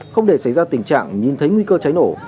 không để xảy ra tình trạng nhìn thấy nguy cơ cháy nổ